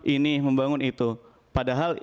ini membangun itu padahal